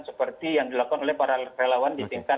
seperti yang dilakukan oleh para relawan di tingkat